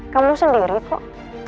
kamu sendiri kok